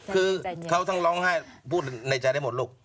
คือเขาทั้งร้องไห้พูดในใจได้หมดลูก